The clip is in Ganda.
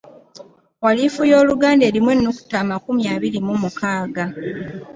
Walifu y’Oluganda erimu ennukuta amakumi abiri mu mukaaga.